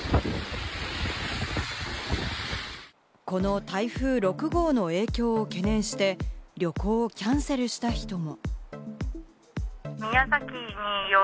この台風６号の影響を懸念して旅行をキャンセルした人も。